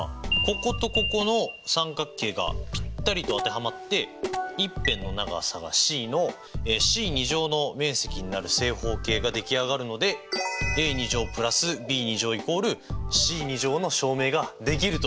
こことここの三角形がぴったりと当てはまって一辺の長さがｃのｃの面積になる正方形が出来上がるのでａ＋ｂ＝ｃの証明ができると！